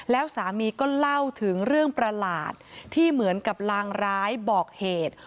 แล้วสามีก็เล่าถึงเรื่องประหลาดที่เหมือนกับลางร้ายบอกเหตุ